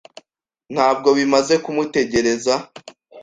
Ntabwo bimaze kumutegereza.